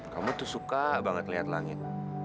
kamu tuh suka banget lihat langit